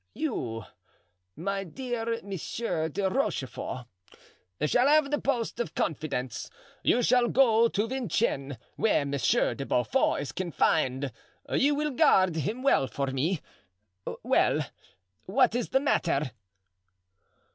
"You, my dear Monsieur de Rochefort, shall have the post of confidence; you shall go to Vincennes, where Monsieur de Beaufort is confined; you will guard him well for me. Well, what is the matter?"